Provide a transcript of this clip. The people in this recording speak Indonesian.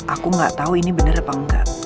aku nggak tahu ini benar apa enggak